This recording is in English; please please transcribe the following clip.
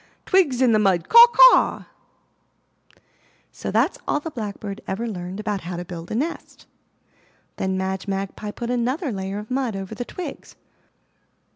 Twigs in the mud! Caw! caw!'* So that's all the Blackbird ever learned about how to build a nest. Then Madge Magpie put another layer of mud over the twigs.